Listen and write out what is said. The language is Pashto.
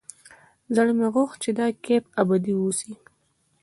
زړه مې غوښت چې دا کيف ابدي واوسي.